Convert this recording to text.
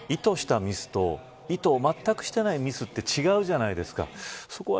意図したミスとまったく意図していないミスは違うじゃないですか。